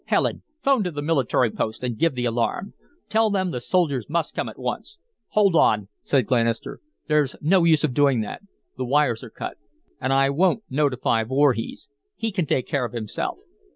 Helen, 'phone to the military post and give the alarm. Tell them the soldiers must come at once." "Hold on!" said Glenister. "There's no use of doing that the wires are cut; and I won't notify Voorhees he can take care of himself.